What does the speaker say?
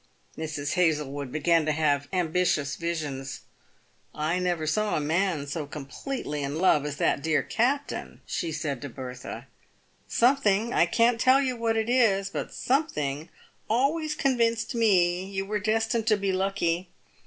Mrs. Hazlewood began to have ambitious visions. " I never saw a man so completely in love as that dear captain," she said to Bertha. " Something — I can't tell what it is — but something always con vinced me you were destined to be lucky.